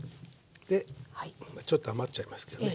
でちょっと余っちゃいますけどね。